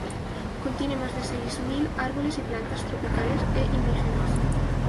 Contiene más de seis mil árboles y plantas tropicales e indígenas.